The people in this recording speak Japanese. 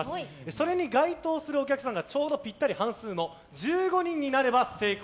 それに該当するお客さんがちょうどぴったり半数の１５人になれば成功。